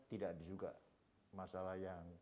tidak ada juga masalah yang